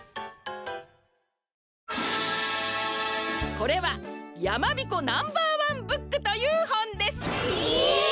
これは「やまびこナンバーワンブック」というほんです！え！？